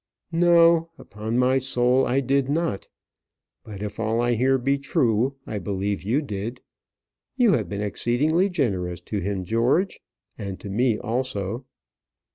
"No, upon my soul I did not; but if all I hear be true, I believe you did. You have been exceedingly generous to him, George and to me also."